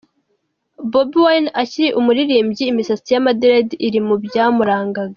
Bobi wine akiri umuririmbi ,imisatsi y'amaderedi iri mu byamurangaga.